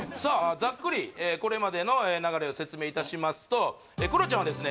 ざっくりこれまでの流れを説明いたしますとクロちゃんはですね